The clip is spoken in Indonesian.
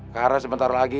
karena sebentar lagi